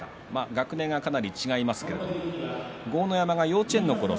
学年がかなり違いますけども豪ノ山が幼稚園のころ